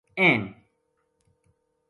اہم